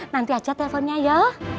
nanti aja teleponnya ya